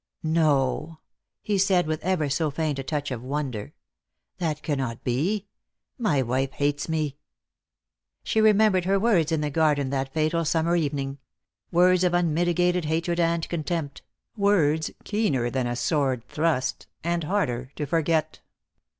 " No," he said, with ever so faint a touch of wonder ;" that cannot be ; my wife hates me." She remembered her words in the garden that fatal summer evening — words of unmitigated hatred and contempt; worda keener than a sword thrust, and harder to forget.